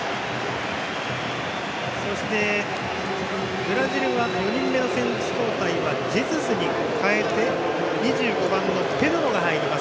そしてブラジルは４人目の選手交代はジェズスに代えて２５番のペドロが入ります。